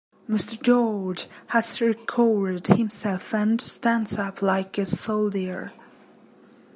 Mr. George has recovered himself and stands up like a soldier.